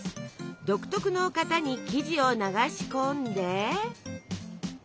独特の型に生地を流し込んで。